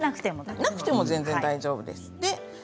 なくても全然、大丈夫です。